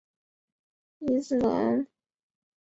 伊斯兰会议组织办事处也位于耶尔德兹宫内。